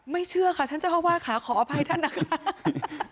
ไม่เชื่อค่ะท่านเจ้าวาสขออภัยท่านนะครับ